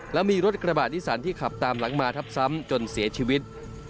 และมีรถกระบะนิสันที่ขับตามหลังมาทับซ้ำจนเสียชีวิต